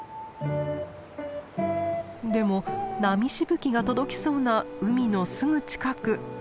でも波しぶきが届きそうな海のすぐ近く。